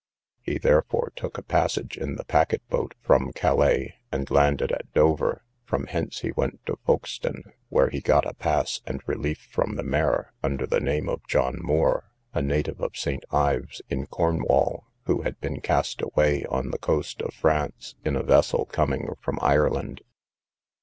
He therefore took a passage in the packet boat from Calais, and landed at Dover; from hence he went to Folkstone, where he got a pass and relief from the mayor, under the name of John Moore, a native of St. Ives, in Cornwall, who had been cast away on the coast of France, in a vessel coming from Ireland.